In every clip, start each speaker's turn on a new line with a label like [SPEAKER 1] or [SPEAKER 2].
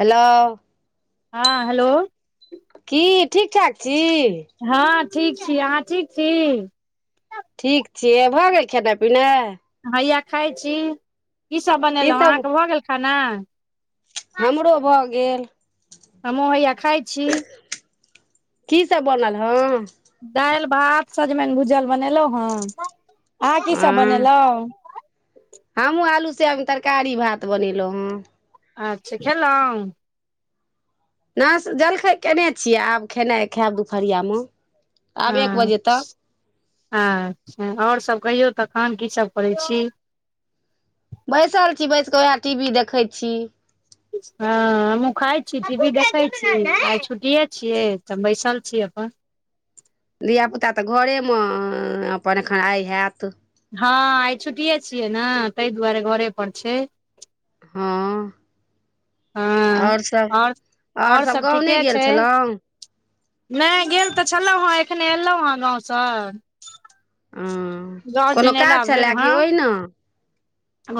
[SPEAKER 1] Hello
[SPEAKER 2] हँ, hello!
[SPEAKER 1] की? ठीक-ठाक छी?
[SPEAKER 2] हँ, ठीक छी, अहाँ ठीक छी?
[SPEAKER 1] ठीक छियै, भऽ गेल खेनाइ-पिनाइ?
[SPEAKER 2] हैया खाइत छी, की सभ
[SPEAKER 1] की
[SPEAKER 2] बनेलहुँ?
[SPEAKER 1] सब
[SPEAKER 2] अहाँके भऽ गेल खाना?
[SPEAKER 1] हमरो भऽ गेल।
[SPEAKER 2] हमहुँ हइया खाइ छी।
[SPEAKER 1] की सब बनल हँ?
[SPEAKER 2] दालि-भात सजमनि भुजल बनेलहुँ हन। अहाॅं की सभ बनेलहुँ?
[SPEAKER 1] हमहुँ आलू सोयाबीन तरकारी भात बनेलहुॅं हन।
[SPEAKER 2] अच्छा खेलहुॅं?
[SPEAKER 1] नइ, जलखै केने छियै आब खेनाइ खायब दुपहरियामे
[SPEAKER 2] अच्छा, अच्छा आओर सब कहियौ तखन की सब करैत छी?
[SPEAKER 1] बैसल छी बैस कऽ उएह टीवी देखैत छी।
[SPEAKER 2] हँ, हमूँ खाइ छी टीभी देखैत छी, आइ छुटिये छियै तऽ बैसल छी अपन
[SPEAKER 1] धियापुता तऽ घरेमे अपन एखन आइ हैत।
[SPEAKER 2] हँ आइ छुट्टीे छियै ने ताहि दुआरे घरे पर छै।
[SPEAKER 1] हँ
[SPEAKER 2] हँ
[SPEAKER 1] आओर सब
[SPEAKER 2] आओर
[SPEAKER 1] आओर
[SPEAKER 2] सब
[SPEAKER 1] सभ गाॅंव नइ
[SPEAKER 2] ठीके
[SPEAKER 1] गेल
[SPEAKER 2] छै
[SPEAKER 1] छलहुँ?
[SPEAKER 2] नहि गेल तऽ छलहुँ हेँ एखने एयलहुँ हेँ गाँवसँ।
[SPEAKER 1] हँ
[SPEAKER 2] दस
[SPEAKER 1] कोनो
[SPEAKER 2] दिन अयला
[SPEAKER 1] काज
[SPEAKER 2] भेल
[SPEAKER 1] छलए कि
[SPEAKER 2] हन।
[SPEAKER 1] ओहिना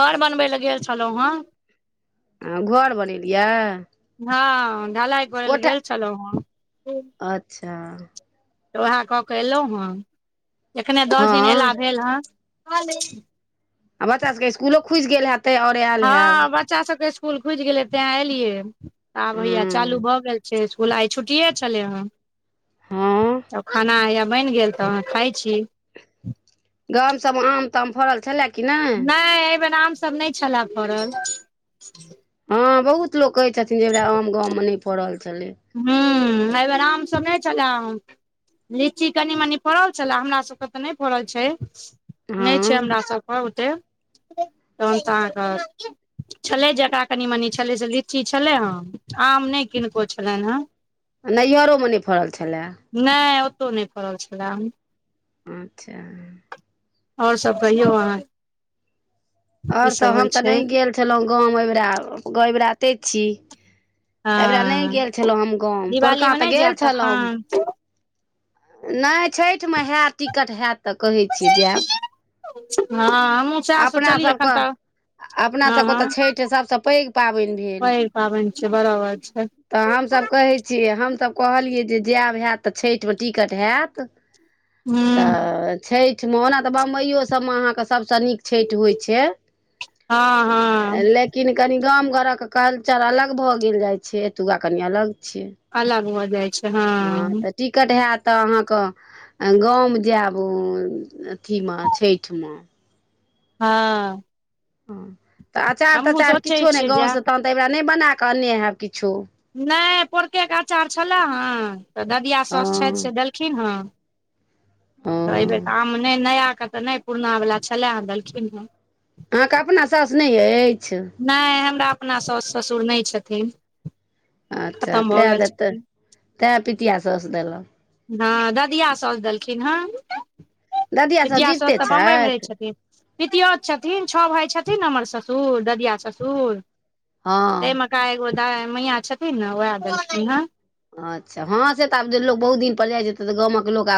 [SPEAKER 2] घर बनबै लए गेल छलहुँ हेँ।
[SPEAKER 1] हॅं, घर बनेलियै?
[SPEAKER 2] हँ, ढलाइ करै लए
[SPEAKER 1] कोठा
[SPEAKER 2] गेल छलहुँ हन।
[SPEAKER 1] अच्छा
[SPEAKER 2] तऽ वैहे कऽ कऽ अएलहुँ हेँ, एखने
[SPEAKER 1] हँ
[SPEAKER 2] दस दिन अयला भेल हन।
[SPEAKER 1] आ बच्चा सब इस्कुलो खुजि गेल हेतै और?
[SPEAKER 2] हँ बच्चा सबके इस्कुल खुजि गेलै तेॅं एलियै। आब हैया चालू
[SPEAKER 1] हूँ
[SPEAKER 2] भऽ गेल छै इसकुल आइ छुट्टिये छलै हन।
[SPEAKER 1] हँ
[SPEAKER 2] तब खाना हइया बनि गेल तऽ खाय छी।
[SPEAKER 1] गाम सबमे आम-ताम फड़ल छलै?
[SPEAKER 2] नहि, एहि बेेर आम सभ नहि छलैए फड़ल।
[SPEAKER 1] हँ बहुत लोक कहै छथिन जे एहिबेरा आम गाँवमे नहि पड़ल छलै।
[SPEAKER 2] हॅं, एहि बेेर आम सभ नहि छले हन। लीची कनि-मनी फड़ल छलए हमरा सबके तऽ नहि फड़ल छै। नहि
[SPEAKER 1] हँ
[SPEAKER 2] छै हमरा सभके ओतेक तहन तऽ अहाँके छलै जेकरा कनि-मनि छलै से लीची छलै हन आम नहि किनको छलनिहेँ
[SPEAKER 1] नैहरोमे नहि फड़ल छलए?
[SPEAKER 2] नहि ओतहु नहि फड़ल छलए।
[SPEAKER 1] अच्छा
[SPEAKER 2] आओर सब कहियौ अहाँ? की
[SPEAKER 1] आओर सब
[SPEAKER 2] होइ
[SPEAKER 1] हम तऽ
[SPEAKER 2] छै
[SPEAKER 1] नहि गेल छलहुँ गाँव एहिबरा, एहिबेरा एतहि छी।
[SPEAKER 2] हँ
[SPEAKER 1] एहिबेरा नहि गेल छलहुँ हम गाँव
[SPEAKER 2] दिवाली
[SPEAKER 1] पोरका
[SPEAKER 2] मे
[SPEAKER 1] तऽ
[SPEAKER 2] नहि जायब
[SPEAKER 1] गेल छलहुँ
[SPEAKER 2] तखन
[SPEAKER 1] नहि छठिमे हैत, टिकट हैत तऽ कहै छियै जायब
[SPEAKER 2] हँ हमहूँ सएह
[SPEAKER 1] अपना
[SPEAKER 2] सोचलियै एखन
[SPEAKER 1] सबके
[SPEAKER 2] तऽ
[SPEAKER 1] अपना
[SPEAKER 2] हँ
[SPEAKER 1] सभके
[SPEAKER 2] हँ
[SPEAKER 1] तऽ छठि सभसँ पैघ पाबनि भेल।
[SPEAKER 2] पैघ पाबनि छै बराबर छै
[SPEAKER 1] तऽ हम सभ कहै छियै हम सभ कहलियै जे जायब हैत तऽ छठिमे टिकट हैत।
[SPEAKER 2] हूँ
[SPEAKER 1] तऽ छठिमे, ओना तऽ बम्बइयो सभमे अहाँकेँ सभसँ नीक छैट होइ छै
[SPEAKER 2] हँ हँ
[SPEAKER 1] ल किन कनि गाम घरक कल्चर अलग भऽ गेल जाइ छै एतुका कनि अलग छियै
[SPEAKER 2] अलग हो जाइ छै ह
[SPEAKER 1] हँ तऽ टिकट हयत तऽ अहाँके गाम जायब अथीमे छैठ मे
[SPEAKER 2] हँ
[SPEAKER 1] हँ तऽ अचार
[SPEAKER 2] हमहूँ
[SPEAKER 1] तचार
[SPEAKER 2] सोचै
[SPEAKER 1] किछो नहि
[SPEAKER 2] छियै जायब
[SPEAKER 1] गाँवसँ तहन तऽ एहिरा नहि बना कऽ अनने हेब किछो
[SPEAKER 2] नाय पोरकेकअचार छलै हँ तऽ ददिया सस छथि
[SPEAKER 1] हँ
[SPEAKER 2] से देल कीन्ह
[SPEAKER 1] ओ
[SPEAKER 2] त अही बेर आम नै नया के त नै पुरना बला छलाह देलखिन हँ
[SPEAKER 1] अहाँके अपना सौस नहि अछि
[SPEAKER 2] नहि हमरा अपना सास ससुर नहि छथिन
[SPEAKER 1] अच्छा
[SPEAKER 2] खतम भऽ
[SPEAKER 1] तैँ
[SPEAKER 2] गेल
[SPEAKER 1] देते
[SPEAKER 2] छथिन
[SPEAKER 1] तैं पितिया सस देल
[SPEAKER 2] हँ ददिया सौस देलखिन हँ
[SPEAKER 1] ददिया साउस
[SPEAKER 2] पीतिया सउस
[SPEAKER 1] जीविते
[SPEAKER 2] तऽ बम्बईमे रहैत
[SPEAKER 1] छथि
[SPEAKER 2] छथिन पितियोत छथिन छओ भााय छथिन न हमर ससुर ददिया ससुर
[SPEAKER 1] हँ
[SPEAKER 2] तमेका एगो द मैया छथिन ने उएह देलथिन ह
[SPEAKER 1] अच्छा हँ से तऽ आब लोक बहुत दिनपर जाइ छै तऽ गामक लोक आ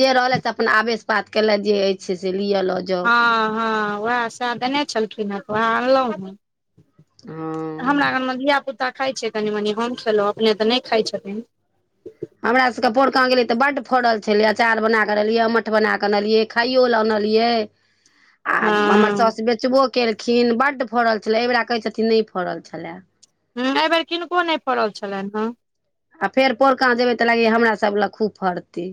[SPEAKER 1] जे रहलथि से अपना आवेश पात केलथि जे अछि से अपन लिअ लऽ जाउ
[SPEAKER 2] हँ हँ वएह सएह देने छलखिन हेँ वएह अनलहुँ हँ
[SPEAKER 1] हँ
[SPEAKER 2] हमरा घरमे धियापुता खााय छै कनी मनी हम खेलहुँ अपने तऽ नहि खाइत छथिन
[SPEAKER 1] हमरा सबके परोरक गेलियै तऽ बड फड़ल छलै अँचार बना कऽनलियै अमठ बना कऽनलियै कांगो ल
[SPEAKER 2] हँ
[SPEAKER 1] आनंद मैं हमर साउस बेचबो खिन बड्ड फड़ल छलै एहिबेरा कहै छथिन नहि फड़ल छलए
[SPEAKER 2] ह एहि बेेर किनको नहि फड़ल छलनि हेँ
[SPEAKER 1] आ फेर पोरकााँ जेबे त लागे य हमरा सब लग खूब फड़तै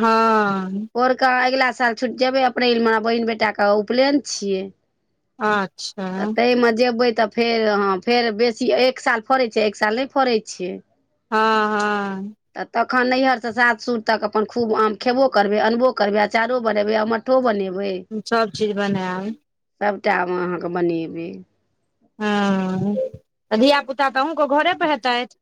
[SPEAKER 2] हँ
[SPEAKER 1] पोल्का अगिला साल छु जेबै अप्रैल म बहिन बेटाके उपनयन छियै
[SPEAKER 2] हँ अच्छा
[SPEAKER 1] ततऽ मजेबै त फेर हाँ फेर बेसी एक साल फड़ै छैै एक साल नहि फड़ै छै
[SPEAKER 2] हँ हँ
[SPEAKER 1] तऽ तखन नैहरसँ सास सुर तक अपन खूब आम खेबो करबै अनबो करबै अचारो बनेबै अ को बनेबै
[SPEAKER 2] सब चीज बनायब
[SPEAKER 1] सभटामे अहाँके बनेबै
[SPEAKER 2] हँ तऽ धियापुता तऽ अहुके घरे पर हेतैथ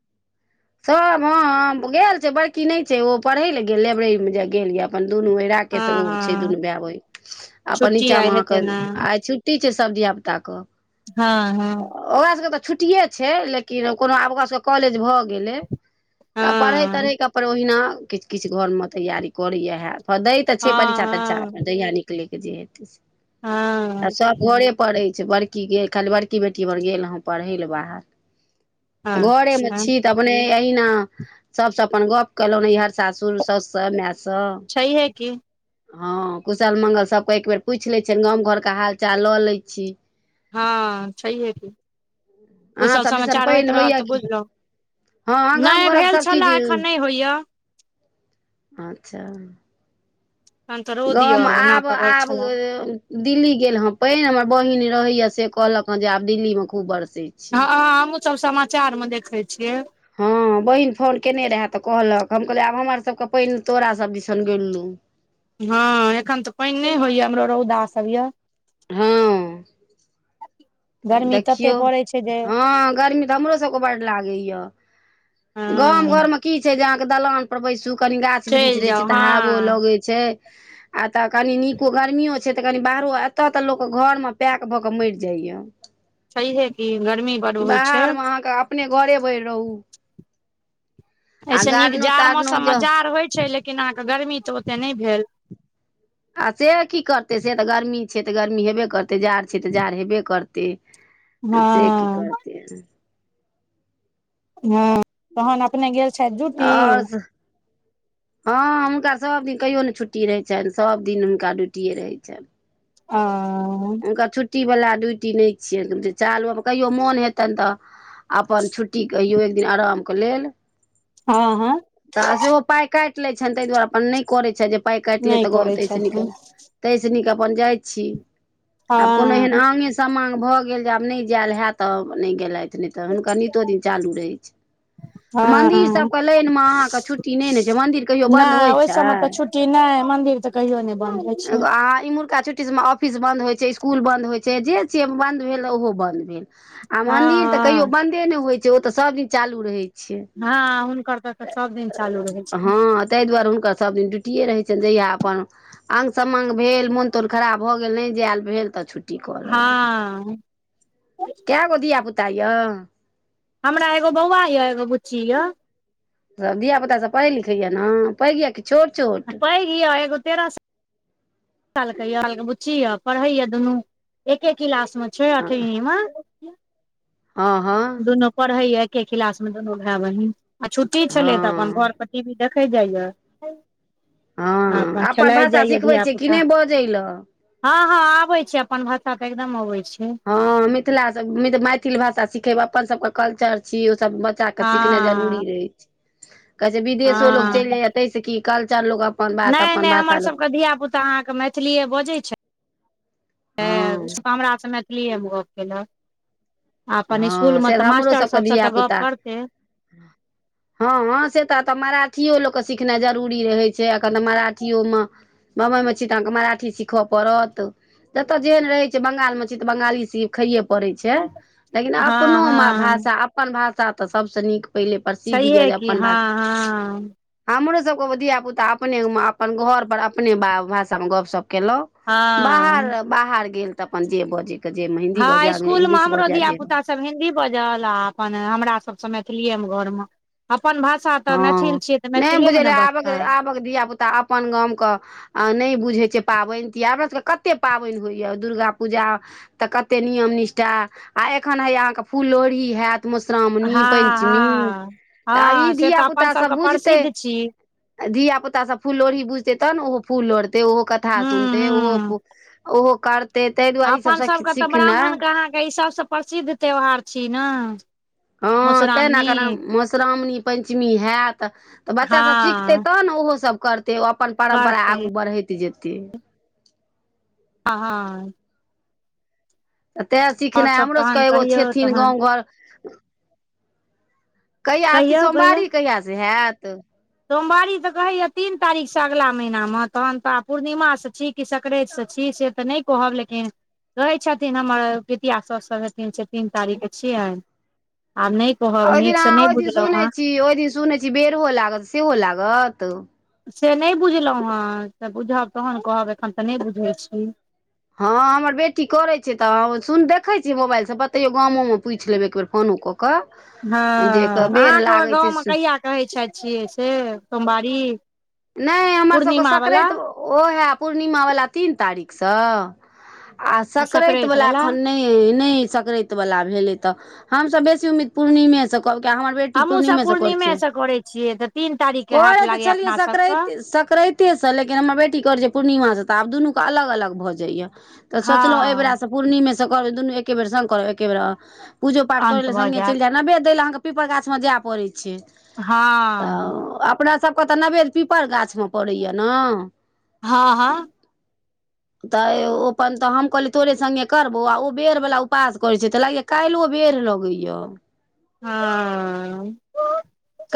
[SPEAKER 1] सब हँ गेल छै बड़की नय छै ओ पढ़े ले गेल लाइब्रेरी मे जे गेल य अपन दुनू र के
[SPEAKER 2] हँ
[SPEAKER 1] ओ छै
[SPEAKER 2] हँ
[SPEAKER 1] दुनू भाय सही अपन
[SPEAKER 2] छुट्टी
[SPEAKER 1] नीचा
[SPEAKER 2] आइ
[SPEAKER 1] मे
[SPEAKER 2] हेतै
[SPEAKER 1] अहाँके
[SPEAKER 2] ने
[SPEAKER 1] आ की छै सब धिया पुता क
[SPEAKER 2] हँ हँ
[SPEAKER 1] ओकरासभके तऽ छुट्टिए छै लेकिन कोनो आब ओकरास सभके कॉलेज भऽ गेलै तऽ पढ़ै
[SPEAKER 2] हँ
[SPEAKER 1] तढ़ैके अपन ओहिना किछु किछु घरमे तैयारी करैए हैत फ दै तऽ छै परीक्षा तरीछा
[SPEAKER 2] हँ
[SPEAKER 1] आप जहिया निकलै के जे हेतै आ
[SPEAKER 2] हँ
[SPEAKER 1] सब घरे पढ़ै छै बड़की गेल खाली बड़की बेटी भ गेल हँ पढ़ै लए बाहर तऽ
[SPEAKER 2] हँ
[SPEAKER 1] घरे मे
[SPEAKER 2] अच्छा
[SPEAKER 1] छीट अपने अहिना सबस अपन गप केलहु नइहर सासुर साउसस माय से
[SPEAKER 2] छै हे की
[SPEAKER 1] हँ कुशल मंगल सबके एक बेर पूइछ ले छियनि गामं घर के हाल चाल लऽ ले छी
[SPEAKER 2] हँ छैहे कि
[SPEAKER 1] अहाँ
[SPEAKER 2] कुशल
[SPEAKER 1] सब दिसन
[SPEAKER 2] समाचार
[SPEAKER 1] पानि
[SPEAKER 2] होइत रहल
[SPEAKER 1] होइए
[SPEAKER 2] तऽ
[SPEAKER 1] कि
[SPEAKER 2] बुझलहु
[SPEAKER 1] हँ हं गाम घरक सब चीज
[SPEAKER 2] एखन नहि होइया
[SPEAKER 1] अच्छा
[SPEAKER 2] तहन तऽ रो दियौ
[SPEAKER 1] गाँम
[SPEAKER 2] ओना
[SPEAKER 1] आब
[SPEAKER 2] तऽ बड़
[SPEAKER 1] आब
[SPEAKER 2] छलए
[SPEAKER 1] दिल्ली गेल हँ पहि हमर बहिन रहैया से कहलक हं जे आब दिल्ली मे खूब बरसै छै
[SPEAKER 2] हँँ हमहूँसभ समाचारमे देखैत छियै
[SPEAKER 1] हँ बहिन फोन केने रहै तऽ कहलक हम कहलियै आब हमर सबके पानि तोरा सब दिसन गेलौ
[SPEAKER 2] हँ एखन तऽ पानि नहि होइया हमरो रौदा सब य
[SPEAKER 1] हँ आब
[SPEAKER 2] गर्मी तते
[SPEAKER 1] देखियौ
[SPEAKER 2] पड़ै छै जे
[SPEAKER 1] हँ गर्मी तऽ हमरो सभके बड्ड लागैय
[SPEAKER 2] हँ
[SPEAKER 1] गामं घर मे की छै जे अहाँके दलान पर बैसू कनि गाछ वृक्ष
[SPEAKER 2] चलि
[SPEAKER 1] रहे
[SPEAKER 2] जाउ
[SPEAKER 1] छै तऽ
[SPEAKER 2] हँ
[SPEAKER 1] हवो लगै छै छै आ तऽ कनि नीको गर्मियो छै तऽ कनि बाहरो एतऽ तऽ लोक घर मे पैक भऽ के मरि जाइया
[SPEAKER 2] छैहे की गर्मी बड होइ छै
[SPEAKER 1] बाहरमे अहाँके अपने घरे भरि रहू आ
[SPEAKER 2] एहिसे नीक
[SPEAKER 1] गारनो
[SPEAKER 2] जाड़
[SPEAKER 1] तारनो ज
[SPEAKER 2] मौसममे जाड़ होइत छै लेकिन केनाके गर्मी तऽ ओते नहि भेल
[SPEAKER 1] आ से की करतै से तऽ गर्मी छै तऽ गर्मी हेबे करतै जाड़ छै तऽ जाड़ हेबे करतै
[SPEAKER 2] हँ
[SPEAKER 1] से की करतै हं
[SPEAKER 2] हँ तहन अपने गेल छथि ड्यूटी
[SPEAKER 1] [unintelligible] हँ हुनका सभ दिन कहियो ने छुट्टी रहै छनि सभ दिन हुनका ड्यूटिए रहै छनि
[SPEAKER 2] आ
[SPEAKER 1] हुनकर छुट्टीवला ड्यूटी नहि छियनि चालू आमे कहियो मोन हेतनि तऽ अपन छुट्टी कहियौ एक दिन आरामके लेल
[SPEAKER 2] हँ हँ
[SPEAKER 1] तऽ सेहो पाय काटि लैत छनि ताहि दुआरे अपन नहि करैत छै जे पाइ काटि ले
[SPEAKER 2] नहि
[SPEAKER 1] तऽ
[SPEAKER 2] करै
[SPEAKER 1] तस
[SPEAKER 2] छथिन
[SPEAKER 1] तैस नीक अपन जाइ छी आब कोनो एहन
[SPEAKER 2] हँ
[SPEAKER 1] आंगे समांग भऽ गेल जे आब नहि जायल हैत तऽ नहि गेलथि नहि तऽ हुनकर नितो दिन चालू रहै छै मन्दिर
[SPEAKER 2] हँ
[SPEAKER 1] सभके लाइनमे अहाँके छुट्टी नहि ने छै मन्दिर कहियो बन्द होइत छै
[SPEAKER 2] कि नहि मंदिर तऽ कहियो नहि बंद होय छै
[SPEAKER 1] अहां इमहरका छुट्टी सब मे ऑफीस बन्द होइ छै स्कूल बन्द होइ छै जे छै बन्द भेल ओहो बन्द भेल आ
[SPEAKER 2] हँ
[SPEAKER 1] मंन्दिर तऽ कहियो बन्द ए ने होइ छै ओ तऽ सब दिन चालू रहै छै
[SPEAKER 2] हँ हुनकर तऽ सब दिन चालू रहै छै
[SPEAKER 1] हँ ताहि दुआरे हुनकर सभ दिन ड्यूटियए रहैत छनि जहिया अपन आंग समांग भेल मोन तोन खराब भऽ गेल नहि जायल भेल तऽ छुट्टी कऽ लेलक
[SPEAKER 2] हँ
[SPEAKER 1] कैगो धिया पुता यै
[SPEAKER 2] हमरा एगो बौआ य एगो बुच्ची य
[SPEAKER 1] सभ धियापुतासभ पढ़ै लिखैए ने पैघ यए कि छोट छोट
[SPEAKER 2] किय एगो तेरह साल साल के य बुच्ची य पढ़ैय दुनू एके किलास मे छै अठमी मे
[SPEAKER 1] हँ हँ
[SPEAKER 2] दुनू पढ़ैया एके क्लास मे दुनू भाई बहिन आ छुटी छले त अपन
[SPEAKER 1] हँ
[SPEAKER 2] घर पर टीवी देख देखै जाइय
[SPEAKER 1] हँ
[SPEAKER 2] अपन खेलाइ
[SPEAKER 1] भाषा
[SPEAKER 2] जाइया
[SPEAKER 1] सिखबै छै कि
[SPEAKER 2] धियापुता
[SPEAKER 1] नहि बजै लए
[SPEAKER 2] हँ हँ आबै छै अपन भाषा तऽ एकदम अबै छै
[SPEAKER 1] हँ मिथिला मैथिल भाषा सिखेबै अपन सबके कल्चर छी ओस बच्चाके सिखनाइ जरूरी
[SPEAKER 2] हँ
[SPEAKER 1] रहै छै कहै छै विदेशो लोग
[SPEAKER 2] हँ
[SPEAKER 1] चलि जाइय ताहिस की कल्चर लोग
[SPEAKER 2] नहि नहि हमरसभके धियापुता अहाँके मैथिलीए बजैत छै
[SPEAKER 1] हँ
[SPEAKER 2] तऽसभ हमरासँ मैथिली मे गप्प कयलक अपन इसकुल
[SPEAKER 1] हँ
[SPEAKER 2] मे
[SPEAKER 1] से
[SPEAKER 2] तऽ
[SPEAKER 1] हमरो
[SPEAKER 2] मास्टर
[SPEAKER 1] सबके
[SPEAKER 2] सबसँ
[SPEAKER 1] धिया
[SPEAKER 2] तऽ गप
[SPEAKER 1] पुता
[SPEAKER 2] करतै
[SPEAKER 1] [inaudible] हँ से तऽ तऽ मराठिओ लोकके‌ सिखनाइ जरूरी रहै छै एखन तऽ मराठिओ मे बम्बइमे छी तऽ अहाँके मराठी सीखय पड़त जत जे रहैत छै बंगालमे छी तऽ बंगाली सिखये पड़ैत छै की
[SPEAKER 2] हँ
[SPEAKER 1] अपनो
[SPEAKER 2] हँ
[SPEAKER 1] भाषा अपन भाषा तऽ सभसँ नीक पहिले प्रसिद्ध यए
[SPEAKER 2] छैहे
[SPEAKER 1] जे
[SPEAKER 2] की
[SPEAKER 1] अपन
[SPEAKER 2] हँ
[SPEAKER 1] भाषा
[SPEAKER 2] हँ
[SPEAKER 1] हमरो सबके धियापुता अपने मे अपन घर पर अपने भाषा मे गपशप केलहुं बाहर
[SPEAKER 2] हँ
[SPEAKER 1] बाहर गेल तऽ अपन जे बजैके जेमे हिन्दी बजै इंग्लिश बजै
[SPEAKER 2] बा सब हिन्दी बाजल आ अपन हमरा सब मैथिली मे घर मे अपन भाषा तऽ मैथिल
[SPEAKER 1] हँ
[SPEAKER 2] छियै तऽ
[SPEAKER 1] नहि
[SPEAKER 2] मैथिले मे
[SPEAKER 1] बुझल
[SPEAKER 2] ने
[SPEAKER 1] आब
[SPEAKER 2] बजतै
[SPEAKER 1] आबक धियापुता अपन गामके नहि बुझैत छियै पाबनि तिहार हमरा सभके कतेक पाबनि होइए दुर्गा पूजा तऽ कते नियम निष्ठटा आ एखन हे अहाँ के फूल लोढ़ी हेत मधुश्रावणी
[SPEAKER 2] हँ
[SPEAKER 1] पंचमी
[SPEAKER 2] हँ
[SPEAKER 1] तऽ आब ई
[SPEAKER 2] हँ से
[SPEAKER 1] धिया
[SPEAKER 2] तऽ अपन
[SPEAKER 1] पुता सब
[SPEAKER 2] सबके
[SPEAKER 1] बुझिते
[SPEAKER 2] प्रसिद्ध छी
[SPEAKER 1] धिया पुतासँ सभ फूल लोढ़ी बुझतै तब ने ओहो फूल लोढ़तै ओहो कथा
[SPEAKER 2] हूँ
[SPEAKER 1] सुनतै
[SPEAKER 2] हूँ
[SPEAKER 1] ओहो ओहो कर
[SPEAKER 2] अपन सभके तऽ ब्राह्मणके अहाँके ई सभसँ प्रसिद्ध त्यौहार छी ने
[SPEAKER 1] हँ तेँ ने करु
[SPEAKER 2] मधुश्रावणी
[SPEAKER 1] मधुश्रावणी पंचमी होयत तऽ बच्चा सब सिखतै
[SPEAKER 2] हँ
[SPEAKER 1] तहन ने ओहो सब करतै तऽ ओ अपन परम्परा
[SPEAKER 2] करतै
[SPEAKER 1] आगू बढ़ैत जेतै
[SPEAKER 2] आ हँ
[SPEAKER 1] तऽ तैँ
[SPEAKER 2] आओर
[SPEAKER 1] सिखनाइ
[SPEAKER 2] सब
[SPEAKER 1] हमरो
[SPEAKER 2] तहन
[SPEAKER 1] सभके एगो
[SPEAKER 2] कहियौ
[SPEAKER 1] छथिन
[SPEAKER 2] तहन
[SPEAKER 1] गाँव घर कहिया अथी
[SPEAKER 2] कहियौ कहियौ
[SPEAKER 1] सोमवारी कहियासँ हैत
[SPEAKER 2] सोमवारी तऽ कहिया तीन तारीख से अगला महिना मे तहन तऽ पूर्णिमासँ ठीक कि सक्रैंति से छी से तऽ नहि कहब लेकिन रहै छथिन हमर पितिया सब हथिन से तीन तारीखके छियनि आब नहि कहब
[SPEAKER 1] ओहि दिन
[SPEAKER 2] नीक से
[SPEAKER 1] अहाँ
[SPEAKER 2] नहि
[SPEAKER 1] ओहि दिन
[SPEAKER 2] बुझलहुँ हेँ
[SPEAKER 1] सुनैत छी ओहि दिन सुनैत छी बेरहो लागत सेहो लागत
[SPEAKER 2] से नहि बुझलहुँ हेँ तऽ बुझब तहन कहब एखन तऽ नहि बुझैत छी
[SPEAKER 1] हँ हमर बेटी करै छै तऽ सुन देखै छियै मोबाइल से बतैयो गामो मे पूछि लेब एक बेेर फोनो कऽ के कहब
[SPEAKER 2] हँ अहाँके ओहि गाँवमे कहिआ कहै छथि छियै से सोमवारी
[SPEAKER 1] नहि हमरा सभके
[SPEAKER 2] पूर्णिमा वला
[SPEAKER 1] सक्रैंत ओ हए पूर्णिमावला तीन तारीखसँ आ सकराँति वला एखन नहि नहि सकराँति वला भेलै तऽ हमसब बेसी उम्मिद पूर्णिमे से हमर बेटी
[SPEAKER 2] हमहुँ सब
[SPEAKER 1] पूर्णिमे से करै छै
[SPEAKER 2] करै छियै तऽ तीन तारीख के हाथ
[SPEAKER 1] करै तऽ
[SPEAKER 2] लागैया
[SPEAKER 1] छलियै
[SPEAKER 2] अपना
[SPEAKER 1] सक
[SPEAKER 2] सबके
[SPEAKER 1] सकराँति ऐतेसँ लेकिन हमर बेटी करै छै पूर्णिमासँ तऽ आब दुनूके अलग अलग भऽ जाइये तऽ सोचलहुँ एहि बेेरा
[SPEAKER 2] हँ
[SPEAKER 1] से पूर्णिमेसँ करब दुनू एके बेर संग करब एके बेेर पूजो पाठ कर
[SPEAKER 2] अन्त
[SPEAKER 1] लए
[SPEAKER 2] भऽ
[SPEAKER 1] संगे
[SPEAKER 2] जायत
[SPEAKER 1] चलि जाय नैेन दैए अहाँके पीपर गामे जाय पड़ै छै
[SPEAKER 2] हँ
[SPEAKER 1] तऽ अपनासभके तऽ नैवेद्य पीपल गाछमे पड़ैए ने
[SPEAKER 2] हँ हँ
[SPEAKER 1] [inaudible] तऽ ओ अपन तऽ हम कहलियै तोरे संगे करबौ आ ओ बेर बला उपास करैत छै तऽ लागि काल्हिओ बेर लगैये
[SPEAKER 2] हँ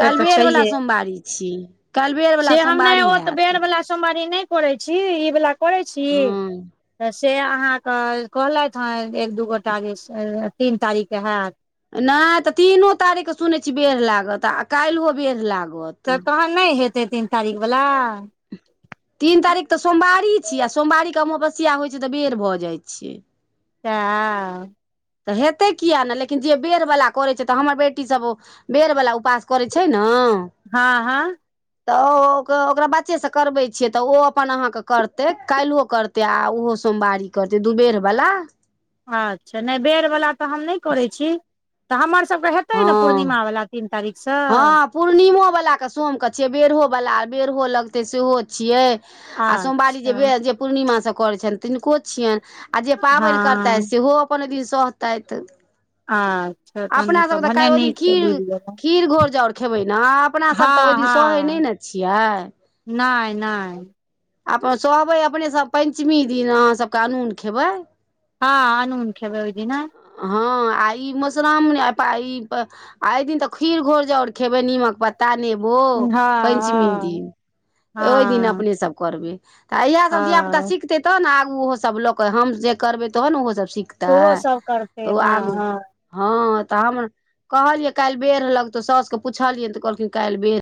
[SPEAKER 2] से तऽ
[SPEAKER 1] बेरवला
[SPEAKER 2] छैहे
[SPEAKER 1] सोमवारी छी कल बेरवला
[SPEAKER 2] से हम नहि
[SPEAKER 1] सोमवारी
[SPEAKER 2] ओ तऽ बेर
[SPEAKER 1] हैत
[SPEAKER 2] वला सोमवारी नहि करै छी ई बाला करै छी
[SPEAKER 1] हँ
[SPEAKER 2] से अहाँके कहलथि हँ एक दू गोटाँके तीन तारीखके हैत
[SPEAKER 1] नहि तऽ तीनो तारीख के सुनैत छी बेढ़ लागत आ काल्हियो बेड़ लागत
[SPEAKER 2] तऽ तहन नहि हेतै तीन तारीख वला
[SPEAKER 1] तीन तारीख तऽ सोमवारी छीयै आ सोमवारी के अमावस्या होइत छै तऽ बेर भऽ जाइत छियै
[SPEAKER 2] तऽ
[SPEAKER 1] तऽ हेतै किएक नहि लेकिन जे बेरवला करैत छै तऽ हमर बेटीसभ ओ बेर बला उपास करै छै ने
[SPEAKER 2] हँ हँ
[SPEAKER 1] तऽ ओ ओकरा बच्चे से करबै छियै तऽ ओ अपन अहाँके करते काईलो करतै तऽ ओहो सोमवारी करते दुबेर बला
[SPEAKER 2] अच्छा नहि बेरवला तऽ हम नहि करैत छी तऽ हमरसभके हे तै
[SPEAKER 1] हँ
[SPEAKER 2] ने पूर्णिमा वाला तीन तारीख स
[SPEAKER 1] हँ पूर्णिमोवला क सोम क छियै बेड़ो वला बेड़हो लगतै सेहो छियै आ सोमवारीऽ जे
[SPEAKER 2] अच्छा
[SPEAKER 1] पं [unintelligible] भ जे पूर्णिमासँ करै छनि तिनको छियनि आ जे पाबैन करते
[SPEAKER 2] हँ
[SPEAKER 1] सेहो अपन औ दिन सहतै
[SPEAKER 2] आँ
[SPEAKER 1] अपना सब त काल ओहि दिन खीर खीर घोर जाउर खेबै न अपना सब तऽ ओहि
[SPEAKER 2] हँ
[SPEAKER 1] दिन सहै नहि ने छियै
[SPEAKER 2] नाइ नाइ
[SPEAKER 1] आपन सहबै अपनेसभ पञ्चमी दिन अहाँसभके अनून खेबै
[SPEAKER 2] हँ अनून खेबै ओई दिना
[SPEAKER 1] हँ आ ई मधुश्रामणी ई आ ई प [unintelligible] आई दिन तऽ खीर घोरजाओर खेबयै निमक प ता नेबो
[SPEAKER 2] हँ
[SPEAKER 1] पैंचमी
[SPEAKER 2] हँ
[SPEAKER 1] दिन ओहि दिन
[SPEAKER 2] हँ
[SPEAKER 1] अपने सब कोरबै तऽ इएहसभ धियापुता
[SPEAKER 2] हँ
[SPEAKER 1] सिखतै तहन ने आगू ओहोसभ लऽ कऽ हम जे करबै तहन ने ओहोसभ सिख
[SPEAKER 2] ओहो
[SPEAKER 1] तैऽ
[SPEAKER 2] सब करतै
[SPEAKER 1] ओ
[SPEAKER 2] हँ
[SPEAKER 1] आगू
[SPEAKER 2] हँ
[SPEAKER 1] हँ ऽ त हम कहलियै काल्हि बेर लगतौ साउस के पुछलियैन तऽ कहलखिन काल्हि बेर